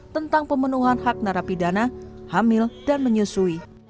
tentang pemenuhan hak narapidana hamil dan menyusui